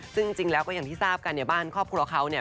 ซึ่งจริงแล้วก็อย่างที่ทราบกันเนี่ยบ้านครอบครัวเขาเนี่ย